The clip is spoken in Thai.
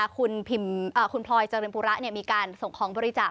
คุณพลอยเจริญปุระมีการส่งของบริจาค